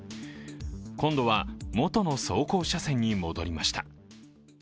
今度はもとの走行車線に戻りました。